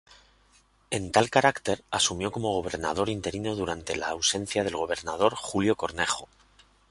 En tal carácter, asumió como gobernador interino durante la ausencia del gobernador Julio Cornejo.